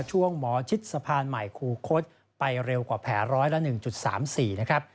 ช่วงหมอชิดสะพานใหม่คูคศไปเร็วกว่าแผลร้อยละ๑๓๔นะครับ